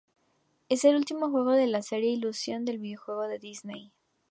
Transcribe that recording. Es el último juego de la serie Illusion de videojuegos de Disney.